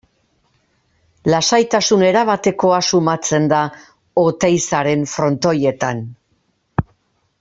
Lasaitasun erabatekoa sumatzen da Oteizaren Frontoietan.